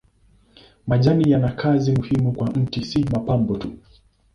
Majani yana kazi muhimu kwa mti si mapambo tu.